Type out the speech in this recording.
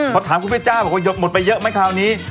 พอถามคุณเพชจ้าบอกว่ายกหมดไปเยอะไหมคราวนี้